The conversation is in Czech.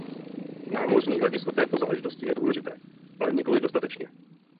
Námořní hledisko této záležitosti je důležité, ale nikoli dostatečně.